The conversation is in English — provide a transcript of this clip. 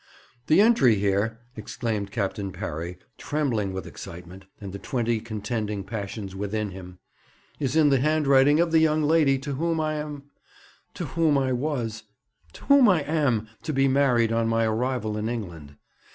'The entry here,' exclaimed Captain Parry, trembling with excitement, and the twenty contending passions within him, 'is in the handwriting of the young lady to whom I am to whom I was to whom I am to be married on my arrival in England.